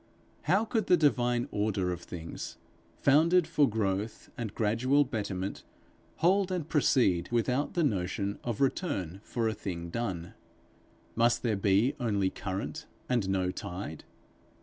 How could the divine order of things, founded for growth and gradual betterment, hold and proceed without the notion of return for a thing done? Must there be only current and no tide?